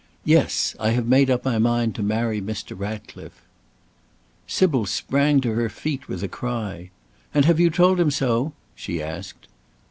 Yes! I have made up my mind to marry Mr. Ratcliffe!" Sybil sprang to her feet with a cry: "And have you told him so?" she asked.